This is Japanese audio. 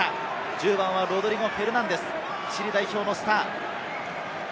１０番はロドリゴ・フェルナンデス、チリ代表のスター。